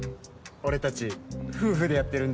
俺たち夫婦でやってるんですよ。